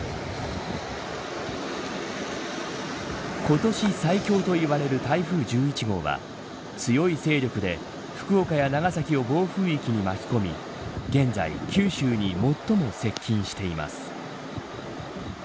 今年最強といわれる台風１１号は強い勢力で福岡や長崎を暴風域に巻き込み現在、九州に最も接近しています。